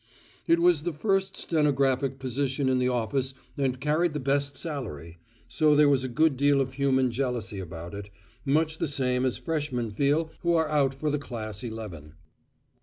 It was the first stenographic position in the office and carried the best salary, so there was a good deal of human jealousy about it much the same sort as freshmen feel who are out for the class eleven.